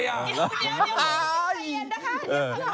อย่าเงียนนะคะ